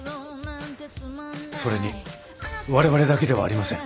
それにわれわれだけではありません。